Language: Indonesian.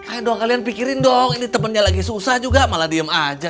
ayo dong kalian pikirin dong ini temennya lagi susah juga malah diem aja